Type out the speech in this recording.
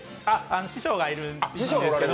師匠がいるんです。